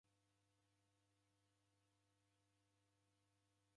Mrongo w'unyanya na isanu